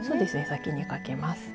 先にかけます。